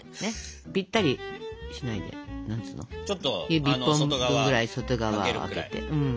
指１本分ぐらい外側空けて。